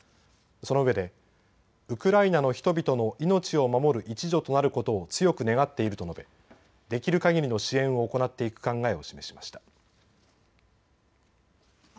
そのうえでウクライナの人々の命を守る一助となることを強く願っていると述べできるかぎりの支援を行っていく考えを示しました。